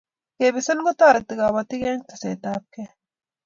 ke besen kotariti kabatik eng' teset ab kee